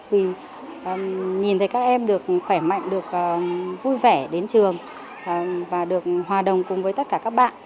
vì nhìn thấy các em được khỏe mạnh được vui vẻ đến trường và được hòa đồng cùng với tất cả các bạn